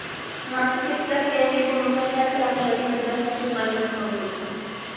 مۇناسىپ كەسىپلەر تايانچى بولمىسا، شەھەر تەرەققىياتى مەنبەسىز سۇغا ئايلىنىپ قالىدۇ.